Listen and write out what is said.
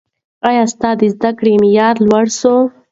ایا ستا د زده کړې معیار لوړ سوی؟